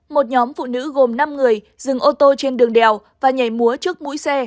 một nhóm phụ nữ gồm năm người dừng ô tô trên đường đèo và nhảy múa trước mũi xe